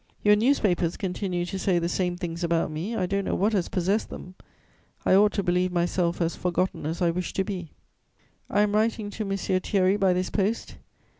"Your newspapers continue to say the same things about me. I don't know what has possessed them. I ought to believe myself as forgotten as I wish to be. "I am writing to M. Thierry by this post.